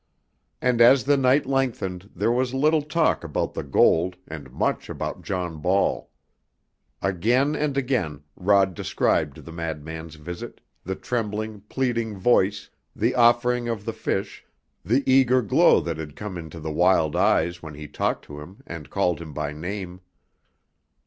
And as the night lengthened there was little talk about the gold and much about John Ball. Again and again Rod described the madman's visit, the trembling, pleading voice, the offering of the fish, the eager glow that had come into the wild eyes when he talked to him and called him by name.